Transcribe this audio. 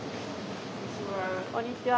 こんにちは。